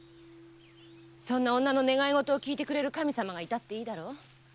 そんな女の願いごとをきいてくれる神様がいたっていいだろ？